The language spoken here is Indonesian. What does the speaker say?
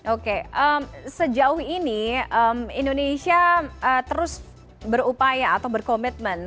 oke sejauh ini indonesia terus berupaya atau berkomitmen